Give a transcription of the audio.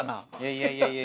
いやいやいや。